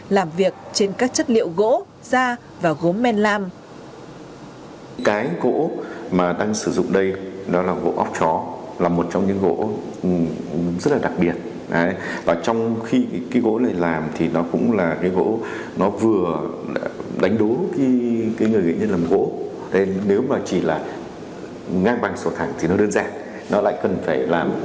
làm việc trên các chất liệu gỗ da và gốm men lam